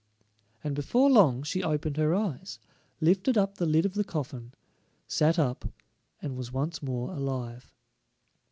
And before long she opened her eyes, lifted up the lid of the coffin, sat up, and was once more alive.